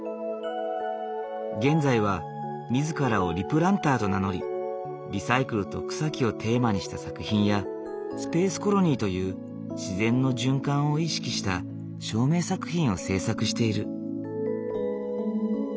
現在は自らをリプランターと名乗りリサイクルと草木をテーマにした作品やスペースコロニーという自然の循環を意識した照明作品を制作している。